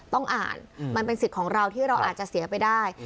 ต้องอ่านมันเป็นสิทธิ์ของเราที่เราอาจจะเสียไปได้